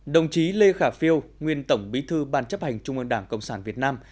đồng chí lê khả phiêu nguyên tổng bí thư ban chấp hành trung ương đảng cộng sản việt nam